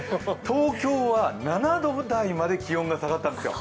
東京は７度台まで気温が下がったんですよ。